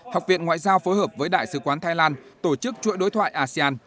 học viện ngoại giao phối hợp với đại sứ quán thái lan tổ chức chuỗi đối thoại asean